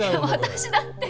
私だって。